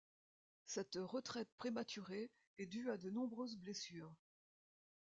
Cette retraite prématurée est due à de nombreuses blessures.